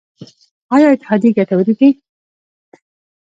آیا اتحادیې ګټورې دي؟